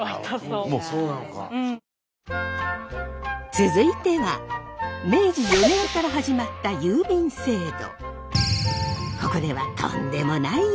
続いては明治４年から始まった郵便制度。